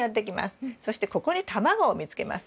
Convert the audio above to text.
そしてここに卵を産みつけます。